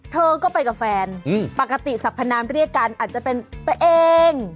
เธอก็ไปกับแฟนปกติสัพพนามเรียกกันอาจจะเป็นตัวเอง